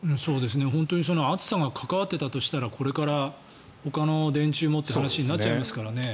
本当に暑さが関わっていたとしたらこれからほかの電柱もって話になっちゃいますからね。